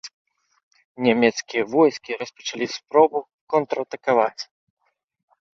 Нямецкія войскі распачалі спробу контратакаваць.